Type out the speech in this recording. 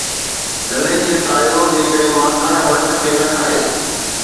گلي کي ساڙيو جيڪڏهن ماڪڙ هلت کي نه کائي